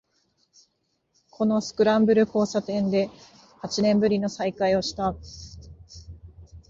このスクランブル交差点で八年ぶりの再会をした